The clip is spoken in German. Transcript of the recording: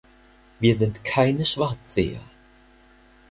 Wir sind keine Schwarzseher.